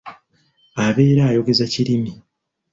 Abeera ayogeza kirimi.